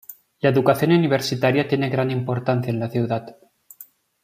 La educación universitaria tiene gran importancia en la ciudad.